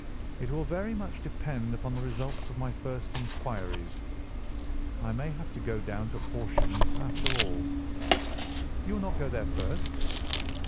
"It will very much depend upon the results of my first inquiries. I may have to go down to Horsham, after all." "You will not go there first?"